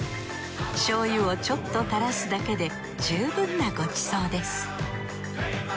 醤油をちょっと垂らすだけで十分なごちそうです